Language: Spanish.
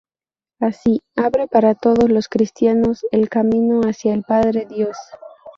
Así, abre para todos los cristianos el camino hacia el Padre Dios.